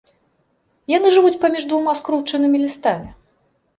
Яны жывуць паміж двума скручанымі лістамі.